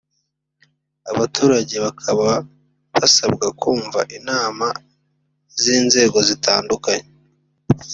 abaturage bakaba basabwa kumva inama z’inzego zitandukanye